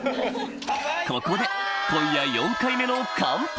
ここで今夜４回目の乾杯